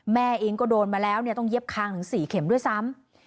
แม่เองก็โดนมาแล้วต้องเย็บคางถึง๔เข็มด้วยซ้ำ